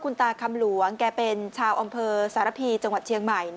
คุณตาคำหลวงแกเป็นชาวอำเภอสารพีจังหวัดเชียงใหม่